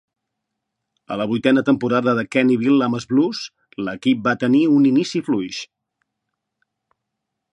A la vuitena temporada de Quenneville amb els Blues, l'equip va tenir un inici fluix.